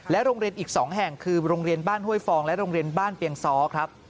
โรงเรียนอีก๒แห่งคือโรงเรียนบ้านห้วยฟองและโรงเรียนบ้านเปียงซ้อครับ